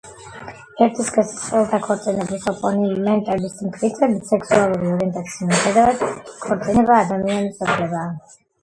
ერთი სქესის წყვილთა ქორწინების ოპონენტების მტკიცებით, სექსუალური ორიენტაციის მიუხედავად, ქორწინება ადამიანის უფლებაა.